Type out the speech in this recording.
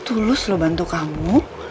tulus loh bantu kamu